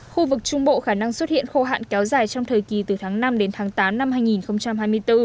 khu vực trung bộ khả năng xuất hiện khô hạn kéo dài trong thời kỳ từ tháng năm đến tháng tám năm hai nghìn hai mươi bốn